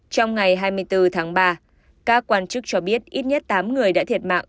trong ngày hai mươi bốn tháng ba các quan chức cho biết ít nhất tám người đã thiệt mạng